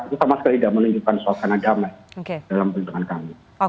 itu sama sekali tidak menunjukkan suasana damai dalam perhitungan kami